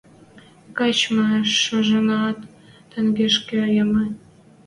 Качмы шомынаат тагышкы ямы.